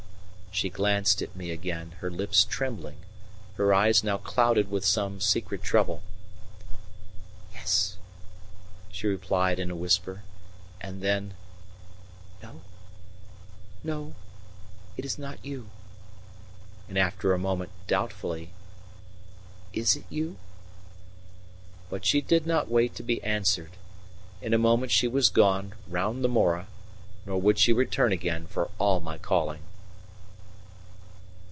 She glanced at me again, her lips trembling, her eyes now clouded with some secret trouble. "Yes," she replied in a whisper, and then: "No, it is not you," and after a moment, doubtfully: "Is it you?" But she did not wait to be answered: in a moment she was gone round the more; nor would she return again for all my calling.